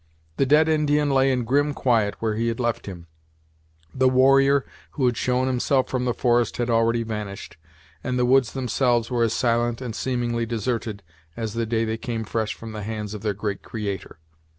The dead Indian lay in grim quiet where he had left him, the warrior who had shown himself from the forest had already vanished, and the woods themselves were as silent and seemingly deserted as the day they came fresh from the hands of their great Creator.